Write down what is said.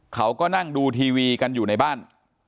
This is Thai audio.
เขาก็นั่งดูทีวีกันอยู่ในบ้าน